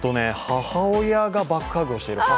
母親がバックハグをしている。